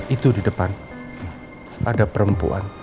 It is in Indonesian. itu di depan ada perempuan